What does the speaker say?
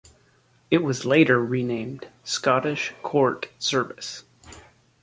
It was later renamed Scottish Court Service.